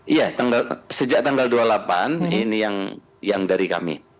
iya sejak tanggal dua puluh delapan ini yang dari kami